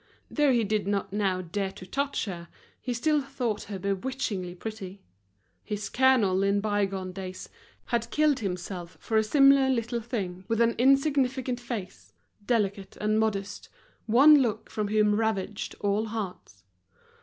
Though he did not now dare to touch her, he still thought her bewitchingly pretty. His colonel in bygone days had killed himself for a similar little thing, with an insignificant face, delicate and modest, one look from whom ravaged all hearts.